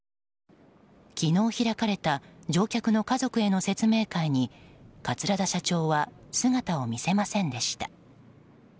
昨日開かれた乗客の家族への説明会に桂田社長は姿を見せませんでした。